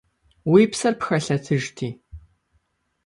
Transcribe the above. Уи псэр пхэлъэтыжти!